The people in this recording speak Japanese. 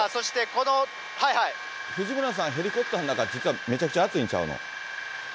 藤村さん、ヘリコプターの中、実はめちゃくちゃ暑いんちゃうの。